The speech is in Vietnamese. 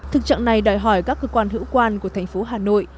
thực trạng này đòi hỏi các cơ quan hữu quan của thành phố hà nội